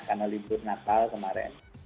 karena libur natal kemarin